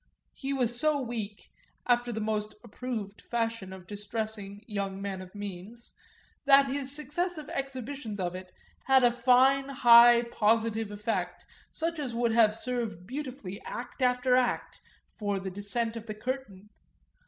He was so weak after the most approved fashion of distressing young men of means that his successive exhibitions of it had a fine high positive effect, such as would have served beautifully, act after act, for the descent of the curtain.